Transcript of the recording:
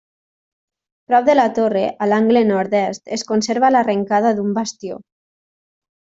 Prop de la torre, a l'angle nord-est, es conserva l'arrencada d'un bastió.